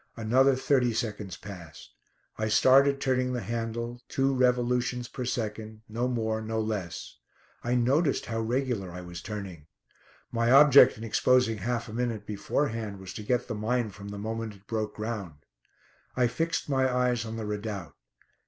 Another thirty seconds passed. I started turning the handle, two revolutions per second, no more, no less. I noticed how regular I was turning. (My object in exposing half a minute beforehand was to get the mine from the moment it broke ground.) I fixed my eyes on the Redoubt.